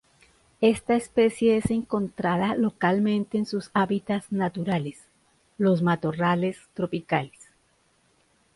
Esta especie es encontrada localmente en sus hábitats naturales, los matorrales tropicales.